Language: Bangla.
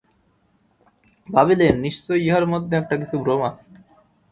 ভাবিলেন, নিশ্চয় ইহার মধ্যে একটা কিছু ভ্রম আছে।